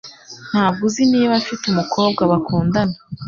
Ntabwo uzi niba afite umukobwa bakundana?